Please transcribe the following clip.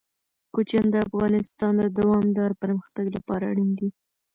کوچیان د افغانستان د دوامداره پرمختګ لپاره اړین دي.